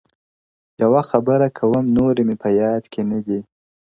يوه خبره كـوم نــوري مــــي پـــه يـــاد كــــي نــــــــه دي ـ